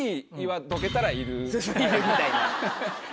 いるみたいな。